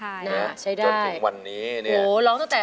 อายุ๒๔ปีวันนี้บุ๋มนะคะ